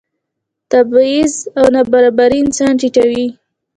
تبعیض او نابرابري انسان ټیټوي.